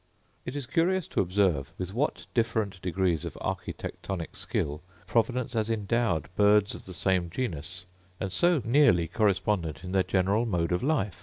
It is curious to observe with what different degrees of architectonic skill Providence has endowed birds of the same genus, and so nearly correspondent in their general mode of life!